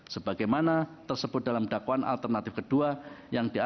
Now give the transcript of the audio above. sebagai mana tersebut dalam perbuatan